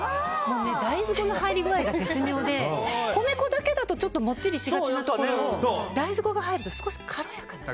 大豆粉の入り具合が絶妙で米粉だけだともっちりしがちなところを大豆粉が入ると少し軽やかに。